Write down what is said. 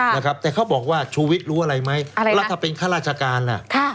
นะครับแต่เขาบอกว่าชูวิทย์รู้อะไรไหมอะไรแล้วถ้าเป็นข้าราชการล่ะค่ะ